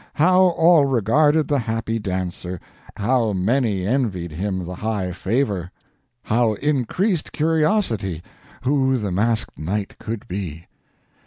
How all regarded the happy dancer, how many envied him the high favor; how increased curiosity, who the masked knight could be.